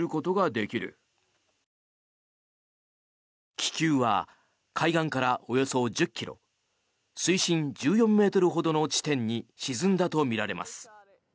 気球は海岸からおよそ１０ｋｍ水深１４ｍほどの地点に沈んだとみられます。